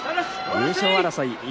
優勝争い